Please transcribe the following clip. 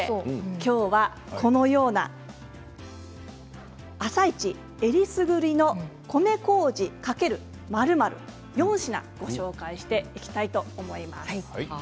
きょうはこのような「あさイチ」よりすぐりの米こうじ×○○、４品ご紹介していきたいと思います。